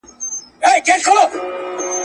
ګراني افغاني زما خوږې خورکۍ.